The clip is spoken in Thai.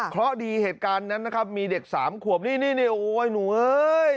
เพราะดีเหตุการณ์นั้นนะครับมีเด็ก๓ขวบนี่โอ๊ยหนูเอ้ย